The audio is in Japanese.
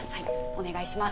お願いします。